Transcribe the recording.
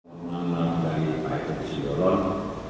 selamat malam dari pak eko kisioron